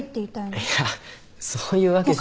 いやそういうわけじゃ。